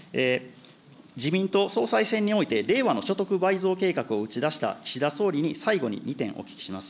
自民党総裁選において、令和の所得倍増計画を打ち出した岸田総理に、最後に２点お聞きします。